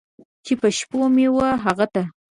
چې په شپو مې و هغه ته!